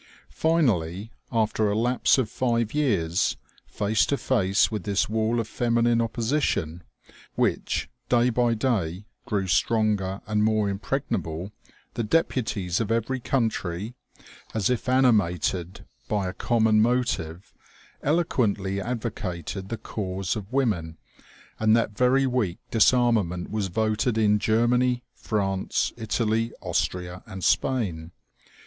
Finally, after a lapse of five years, face to face with this wall of feminine opposition, which, day by day, grew stronger and more impregnable, the deputies of every country, as if animated OMEGA. 193 194 OMEGA. by a common motive, eloquently advocated the cause of women, and that very week disarmament was voted in Germany, France, Italy, Austria and Spain.